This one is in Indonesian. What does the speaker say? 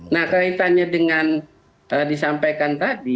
nah kaitannya dengan disampaikan tadi